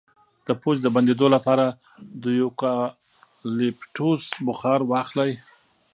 د پوزې د بندیدو لپاره د یوکالیپټوس بخار واخلئ